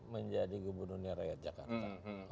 menjadi gubernur rakyat jakarta